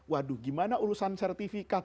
waduh gimana urusan sertifikat